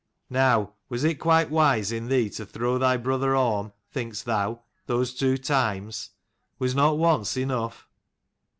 Now, was it quite wise in thee to throw thy brother Orm, think'st thou, those two times? Was not once enough